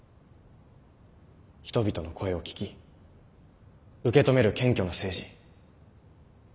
人々の声を聞き受け止める謙虚な政治。